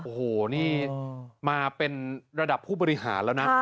โอ้โหนี่มาเป็นระดับผู้บริหารแล้วนะ